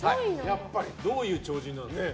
どういう超人なんですか？